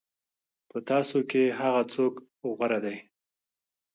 په تاسو کې هغه څوک غوره دی.